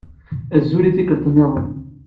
Azul i tikkelt nniḍen.